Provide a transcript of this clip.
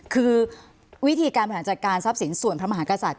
คือวิธีการพิสัยการทรัพย์ศิลป์ส่วนพระมหากศาสตร์